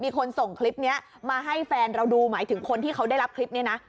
มีคนส่งคลิปนี้มาให้แฟนเราดูหมายถึงคนที่เขาได้รับคลิปนี้นะ